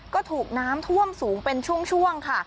ก็ถูกน้ำท่วมสูงเป็นช่วงค่ะ